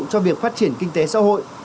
cho việc phát triển kinh tế xã hội